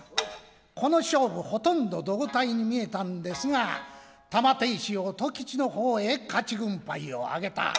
この勝負ほとんど同体に見えたんですが玉手石音吉の方へ勝ち軍配を上げた。